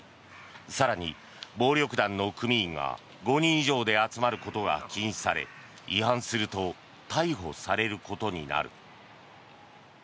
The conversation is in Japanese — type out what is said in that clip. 更に、暴力団の組員が５人以上で集まることが禁止され違反すると逮捕されることになる。